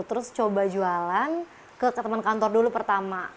terus coba jualan ke teman kantor dulu pertama